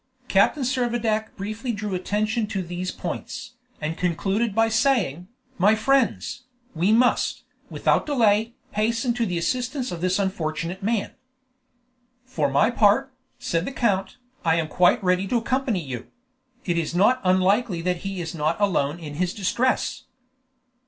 Captain Servadac briefly drew attention to these points, and concluded by saying, "My friends, we must, without delay, hasten to the assistance of this unfortunate man." "For my part," said the count, "I am quite ready to accompany you; it is not unlikely that he is not alone in his distress."